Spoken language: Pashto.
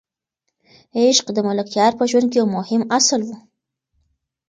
عشق د ملکیار په ژوند کې یو مهم اصل و.